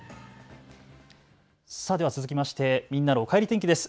では続きましてみんなのおかえり天気です。